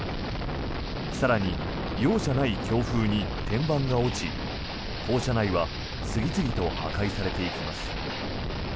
更に容赦ない強風に天板が落ち校舎内は次々と破壊されていきます。